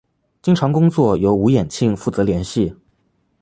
经常工作由吴衍庆负责联系。